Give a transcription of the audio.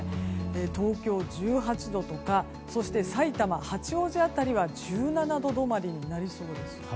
東京１８度とかさいたま、八王子辺りは１７度止まりになりそうです。